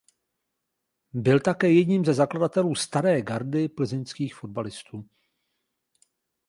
Byl také jedním ze zakladatelů „Staré gardy“ plzeňských fotbalistů.